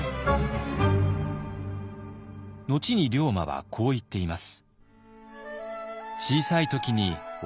後に龍馬はこう言っています。